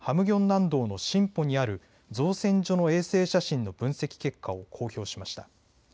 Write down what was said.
南道のシンポにある造船所の衛星写真の分析結果を公表しました。